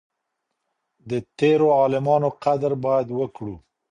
د تيرو عالمانو قدر بايد وکړو.